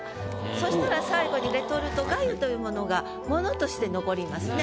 そしたら最後にレトルト粥というものが物として残りますね。